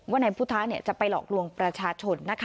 นายพุทธะจะไปหลอกลวงประชาชนนะคะ